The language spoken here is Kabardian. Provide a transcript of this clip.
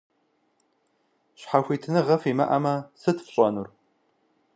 Щхьэхуитыныгъэ фимыӏэмэ, сыт фщӏэнур?